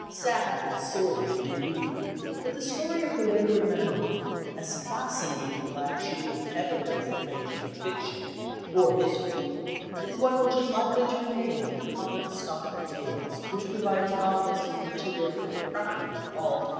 Sad and sordid it may be; but the story of the wayward Manon, as fascinating a black sheep as ever graced the pages of fiction or history is one which is likely to remain in the common stock of tales which provides novelists with material for practically all time.